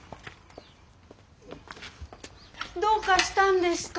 どうかしたんですか？